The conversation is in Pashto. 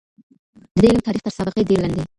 د دې علم تاريخ تر سابقې ډېر لنډ دی.